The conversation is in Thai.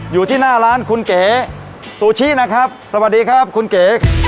อยู่ที่หน้าร้านคุณเก๋ซูชินะครับสวัสดีครับคุณเก๋